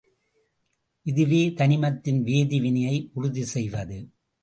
இதுவே தனிமத்தின் வேதி வினையை உறுதி செய்வது.